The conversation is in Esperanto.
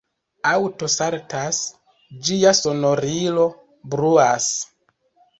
Aŭto saltas, ĝia sonorilo bruas